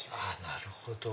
なるほど。